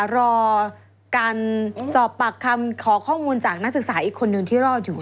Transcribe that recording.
รอการสอบปากคำขอข้อมูลจากนักศึกษาอีกคนนึงที่รอดอยู่